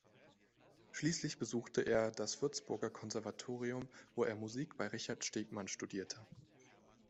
Schließlich besuchte er das Würzburger Konservatorium, wo er Musik bei Richard Stegmann studierte.